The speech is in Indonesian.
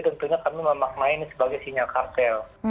tentunya kami memaknai ini sebagai sinyal kartel